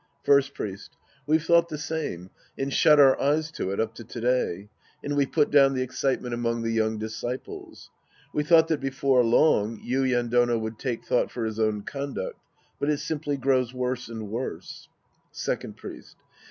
First Priest. We've thought the same and shut our eyes to it up to to day. And we've put down the excitement among the young disciples. We thought that before long Yuien Dono would take thought for liis own conduct, but it simply grows worse and worse. Second Priest.